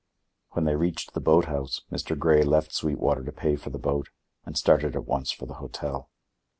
When they reached the boat house Mr. Grey left Sweetwater to pay for the boat and started at once for the hotel.